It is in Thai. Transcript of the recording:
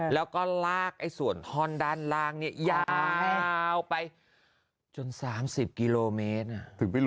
แล้วก็ลากส่วนท่อนด้านล่างเนี่ยยาวไปจน๓๐กิโลเมตร